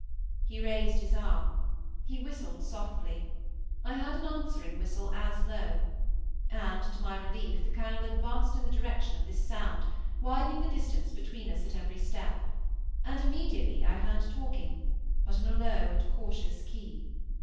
He raised his arm; he whistled softly; I heard an answering whistle as low; and, to my relief, the Colonel advanced in the direction of this sound, widening the distance between us at every step; and immediately I heard talking, but in a low and cautious key.